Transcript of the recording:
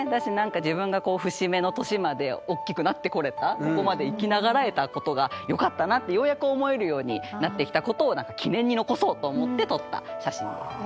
自分が節目の年までおっきくなってこれたここまで生き長らえたことがよかったなってようやく思えるようになってきたことを記念に残そうと思って撮った写真です。